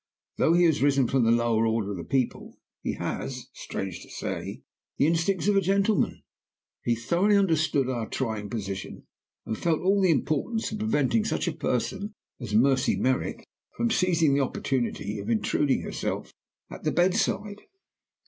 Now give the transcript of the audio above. Though he has risen from the lower order of the people, he has, strange to say, the instincts of a gentleman. He thoroughly understood our trying position, and felt all the importance of preventing such a person as Mercy Merrick from seizing the opportunity of intruding herself at the bedside.